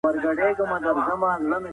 باید د استدلال پر بنسټ پریکړي وسي.